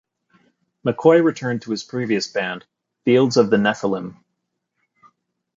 McCoy returned to his previous band, Fields of the Nephilim.